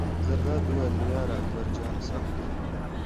زرداد وویل: یار اکبر جانه سخته ده.